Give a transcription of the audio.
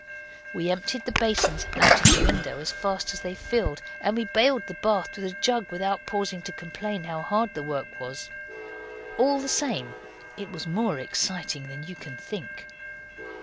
We emptied the basins out of the window as fast as they filled, and we baled the bath with a jug without pausing to complain how hard the work was. All the same, it was more exciting than you can think.